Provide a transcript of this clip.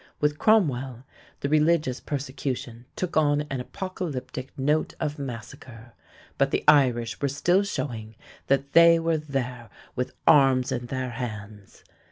With Cromwell, the religious persecution took on an apocalyptic note of massacre, but the Irish were still showing that they were there with arms in their hands.